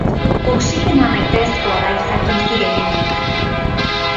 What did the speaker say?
Oxigenoa nahitaezkoa da izaki bizi gehienentzat.